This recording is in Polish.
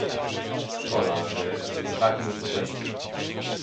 Szkoda, że jesteśmy tak nieskuteczni